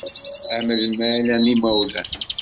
Am lmal, am imawlan.